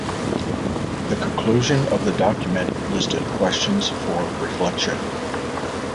The conclusion of the document listed questions for reflection.